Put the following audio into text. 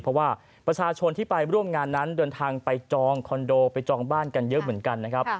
เพราะว่าประชาชนที่ไปร่วมงานนั้นเดินทางไปจองคอนโดไปจองบ้านกันเยอะเหมือนกันนะครับ